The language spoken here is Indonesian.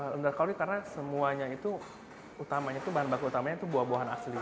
rendah kalori karena semuanya itu bahan baku utamanya itu buah buahan asli